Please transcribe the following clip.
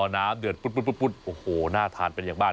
อ๋อน้ำเดือดปุ๊ดปุ๊ดปุ๊ดโอ้โหน่าทานเป็นอย่างบ้าง